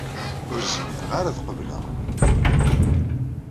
Ur zmireɣ ara ad qebleɣ.